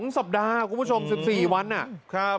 ๒สัปดาห์คุณผู้ชม๑๔วัน